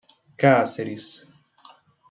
Cáceres